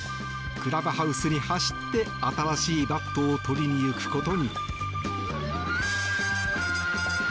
クラブハウスに走って新しいバットを取りに行くことに。